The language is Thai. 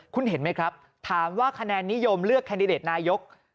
คุณเห็นไหมครับถามว่าคะแนนนิยมเลือกแคนดิเดตนายก